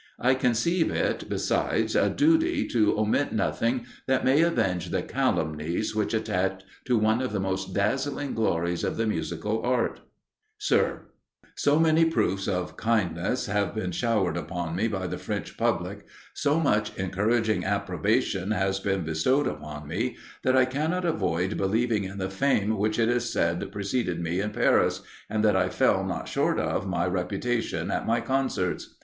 I conceive it, besides, a duty to omit nothing that may avenge the calumnies which attached to one of the most dazzling glories of the musical art: "SIR, So many proofs of kindness have been showered upon me by the French public, so much encouraging approbation has been bestowed upon me, that I cannot avoid believing in the fame which it is said preceded me in Paris, and that I fell not short of my reputation at my concerts.